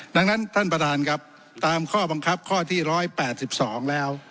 ดังนั้นท่านประธานครับตามข้อบังคับข้อที่๑๘๒แล้ว